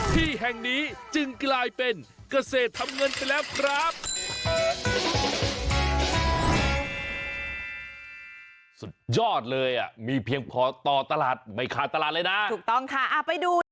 ที่แห่งนี้จึงกลายเป็นเกษตรทำเงินไปแล้วครับ